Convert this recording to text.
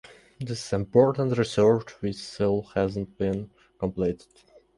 This is important research which still has not been completed.